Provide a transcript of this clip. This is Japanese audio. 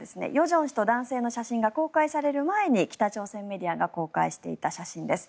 正氏と男性の写真が公開される前に北朝鮮メディアが公開していた写真です。